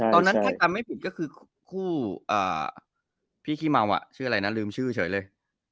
ตอนนั้นถ้าจำไม่ผิดก็คือคู่พี่ขี้เมาชื่ออะไรนะลืมชื่อเฉยเลย